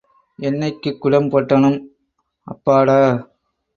எண்ணெய்க் குடம் போட்டவனும் அப்பாடா.